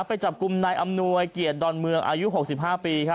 ไปจับกลุ่มนายอำนวยเกียรติดอนเมืองอายุ๖๕ปี